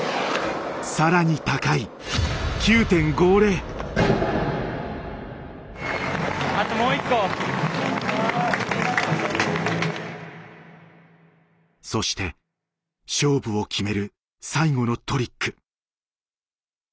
更に高いそして勝負を決める最後のトリック。